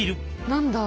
何だ？